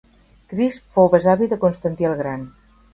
Crisp fou besavi de Constantí el gran.